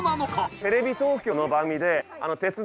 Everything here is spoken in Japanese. テレビ東京の番組で。